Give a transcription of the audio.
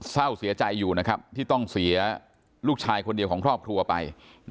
เศร้าเสียใจอยู่นะครับที่ต้องเสียลูกชายคนเดียวของครอบครัวไป